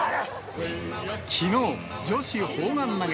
きのう、女子砲丸投げ。